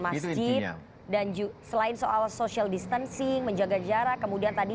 masjid dan selain soal social distancing menjaga jarak kemudian tadi